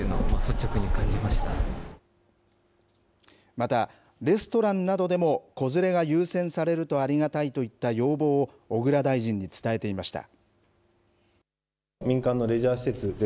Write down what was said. また、レストランなどでも子連れが優先されるとありがたいといった要望を、小倉大臣に伝えていました。